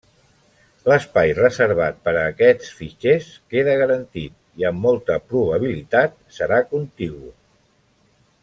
L'espai reservat per a aquests fitxers quedarà garantit i amb molta probabilitat serà contigu.